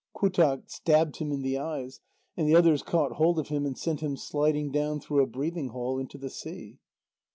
Qautaq stabbed him in the eyes, and the others caught hold of him and sent him sliding down through a breathing hole into the sea.